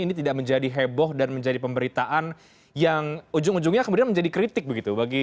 ini tidak menjadi heboh dan menjadi pemberitaan yang ujung ujungnya kemudian menjadi kritik begitu